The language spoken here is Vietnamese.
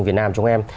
việt nam chúng em